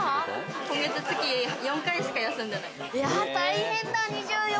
今月、月４回しか休んでない。